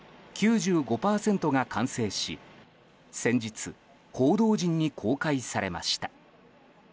９５％が完成し先日、報道陣に公開されました。